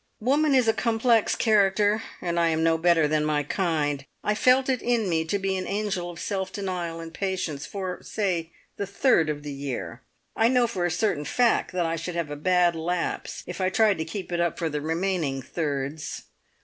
Woman is a complex character, and I am no better than my kind. I feel it in me to be an angel of self denial and patience for, say, the third of the year! I know for a certain fact that I should have a bad lapse if I tried to keep it up for the remaining thirds.